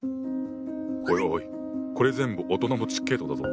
おいおいこれ全部大人のチケットだぞ。